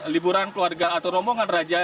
liburan keluarga atau rombongan raja